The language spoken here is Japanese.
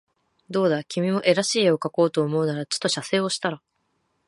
どうだ君も画らしい画をかこうと思うならちと写生をしたら